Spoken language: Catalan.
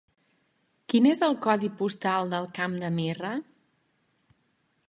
Quin és el codi postal del Camp de Mirra?